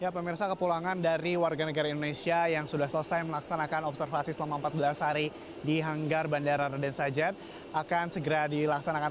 pemirsa kepulangan dari warga negara indonesia yang sudah selesai melaksanakan observasi selama empat belas hari di hanggar bandara raden sajat akan segera dilaksanakan